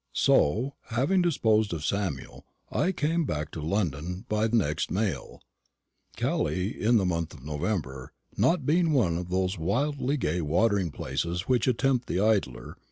"So, having disposed of Samuel, I came back to London by the next mail; Calais, in the month of November, not being one of those wildly gay watering places which tempt the idler.